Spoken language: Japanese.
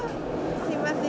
すいません。